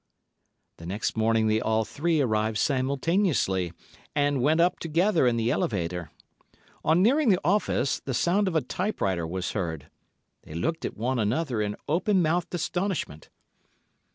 The next morning they all three arrived simultaneously, and went up together in the elevator. On nearing the office, the sound of a typewriter was heard. They looked at one another in open mouthed astonishment.